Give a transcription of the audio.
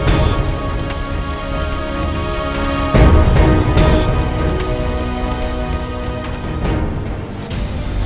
ada apa mbak